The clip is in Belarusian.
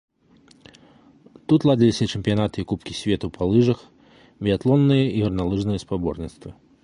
Тут ладзіліся чэмпіянаты і кубкі свету па лыжах, біятлонныя і гарналыжныя спаборніцтвы.